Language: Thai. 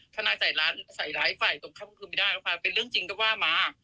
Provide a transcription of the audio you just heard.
ทนายใส่ร้ายไฟตรงข้างคือไม่ได้นะคะถ้าเป็นเรื่องจริงก็ว่ามา